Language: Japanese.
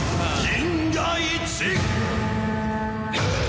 銀河一！」